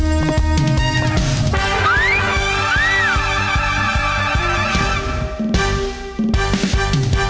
แอร์คันธิลาค่ะ